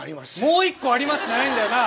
「もう一個あります」じゃないんだよな。